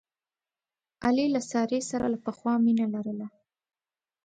علي له سارې سره له پخوا مینه لرله.